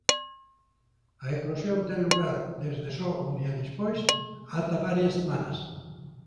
A eclosión ten lugar desde só un día despois ata varias semanas.